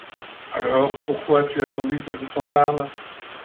Alors pourquoi tu as attendu que je t’en parle ?